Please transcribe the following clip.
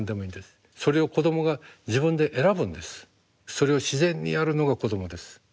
それを自然にやるのが子どもです。